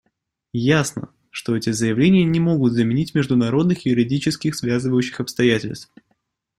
Ясно, что эти заявления не могут заменить международных юридически связывающих обязательств.